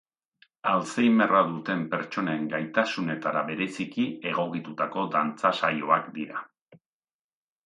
Alzheimerra duten pertsonen gaitasunetara bereziki egokitutako dantza saioak dira.